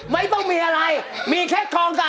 ไม่ต้องมีอะไรมีแค่ทองสะ